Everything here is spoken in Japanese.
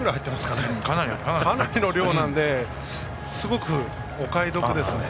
かなりの量なのですごくお買い得ですね。